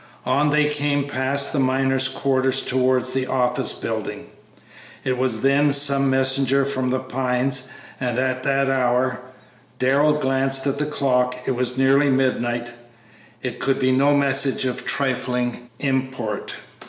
On they came past the miners' quarters towards the office building; it was then some messenger from The Pines, and at that hour Darrell glanced at the clock, it was nearly midnight it could be no message of trifling import.